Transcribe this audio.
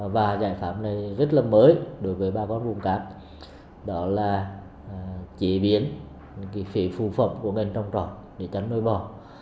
và giải pháp này rất là mới đối với bà con vùng cát đó là chế biến phía phù phộng của ngành trong trọng để chăn nuôi bò